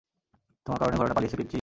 তোমার কারণে ঘোড়াটা পালিয়েছে, পিচ্চি!